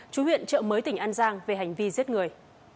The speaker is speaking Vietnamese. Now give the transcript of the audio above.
chú huyện trợ mới tỉnh an giang về hành vi giết người